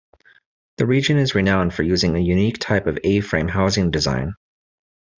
The region is renowned for a unique type of A-frame housing design.